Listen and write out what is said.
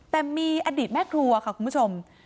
แต่มีอดีตแม่ครัวค่ะคุณผู้ชม